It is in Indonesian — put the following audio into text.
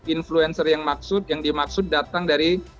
influencer yang dimaksud datang dari